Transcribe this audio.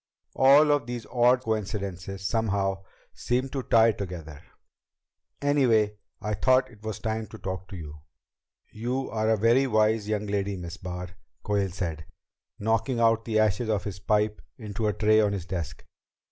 All of these odd coincidences, somehow, seem to tie together. Anyway, I thought it was time to talk to you." "You are a very wise young lady, Miss Barr," Quayle said, knocking out the ashes of his pipe into a tray on his desk.